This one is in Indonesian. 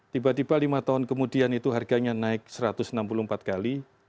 tiba tiba lima tahun kemudian itu harganya naik satu ratus enam puluh empat kali